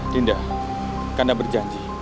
tindak kanda berjanji